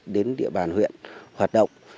đến địa bàn huyện hoạt động